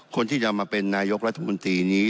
คนที่จะมาเป็นนายกรัฐมนตรีนี้